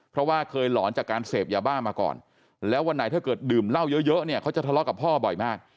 เพราะว่าเคยหลอนจากการเสพยาบ้ามาก่อนแล้ววันไหนถ้าเกิดดื่มเหล้าเยอะเนี่ยเขาจะทะเลาะกับพ่อบ่อยมาก